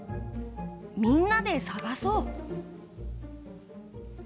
みんなでさがそう。